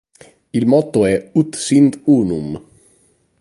Il motto è "Ut sint unum".